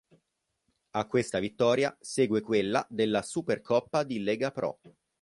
A questa vittoria segue quella della Supercoppa di Lega Pro.